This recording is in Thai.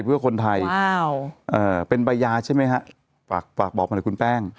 เป็นใบยาใช่ไหมฮ่ะฝากบอกมาให้คุณแป้ง